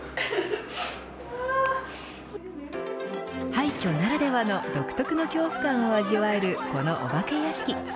廃虚ならではの独特な恐怖感を味わえるこのお化け屋敷。